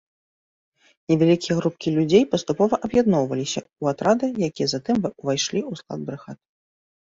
Невялікія групкі людзей паступова аб'ядноўваліся ў атрады, якія затым увайшлі ў склад брыгад.